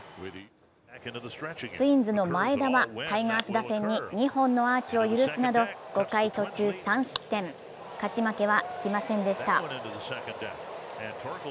ツインズの前田はタイガース打線に２本のアーチを許すなど５回途中３失点、勝ち負けはつきませんでした。